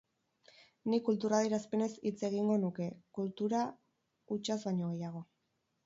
Nik kultur adierazpenez hitz egingo nuke, kultura hutsaz baino gehiago.